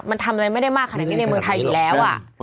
มันทำอะไรไม่ได้มากขนาดนี้ในเมืองไทยอยู่แล้ว